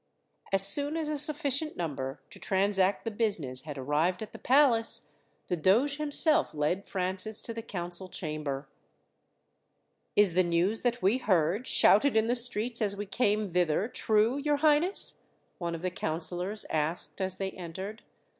As soon as a sufficient number to transact the business had arrived at the palace, the doge himself led Francis to the council chamber. "Is the news that we heard, shouted in the streets as we came thither, true, your highness?" one of the councillors asked as they entered.